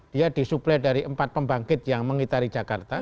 dia disuplai dari empat pembangkit yang mengitari jakarta